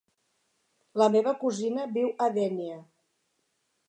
La meva cosina viu a Dénia.